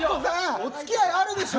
おつきあいあるでしょ！